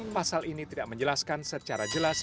pasal ini tidak menjelaskan secara jelas